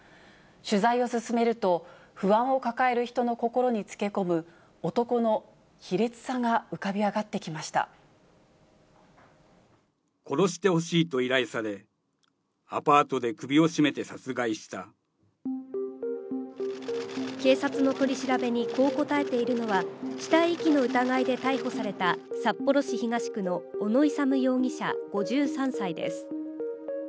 取材を進めると、不安を抱える人の心につけ込む、男の卑劣さが浮かび上がってきま殺してほしいと依頼され、警察の取り調べにこう答えているのは、死体遺棄の疑いで逮捕された、札幌市東区の小野勇容疑者５３歳です。